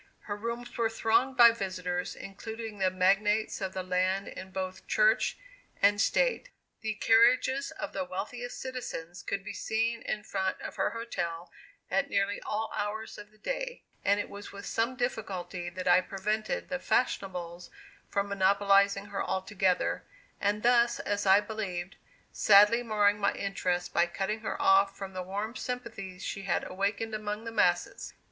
Her rooms were thronged by visitors, including the magnates of the land in both Church and State. The carriages of the wealthiest citizens could be seen in front of her hotel at nearly all hours of the day, and it was with some difficulty that I prevented the "fashionables" from monopolizing her altogether, and thus, as I believed, sadly marring my interests by cutting her off from the warm sympathies she had awakened among the masses.